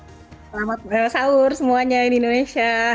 selamat sahur semuanya di indonesia